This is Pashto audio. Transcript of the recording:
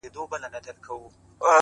• چوروندک ته هره ورځ راتلل عرضونه,